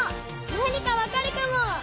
何かわかるかも！